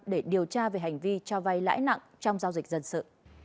để điều tra về hành vi cho vay lãi nặng trong giao dịch dân sự